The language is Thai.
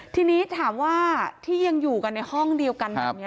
ทีนี้ถามว่าที่ยังอยู่กันในห้องเดียวกันแบบนี้